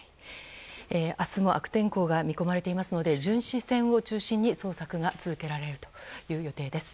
明日も悪天候が見込まれていますので巡視船を中心に捜索が続けられるという予定です。